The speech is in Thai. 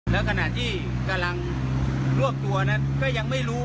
แล้วขณะที่กำลังรวบตัวนั้นก็ยังไม่รู้